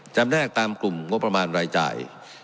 แนกตามกลุ่มงบประมาณรายจ่าย